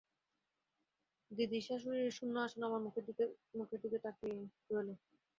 দিদিশাশুড়ির শূন্য আসন আমার মুখের দিকে তাকিয়ে রইল।